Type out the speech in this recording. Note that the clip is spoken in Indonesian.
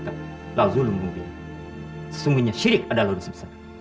sesungguhnya syirik adalah dosa besar